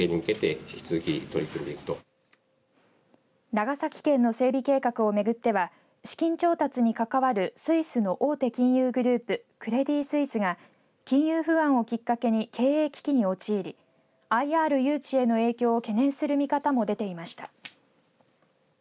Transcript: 長崎県の整備計画を巡っては資金調達に関わるスイスの大手金融グループクレディ・スイスが金融不安をきっかけに経営危機に陥りＩＲ誘致への影響を懸念する見方も出ていました。